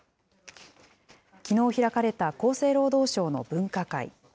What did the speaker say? きのう開かれた厚生労働省の分科会。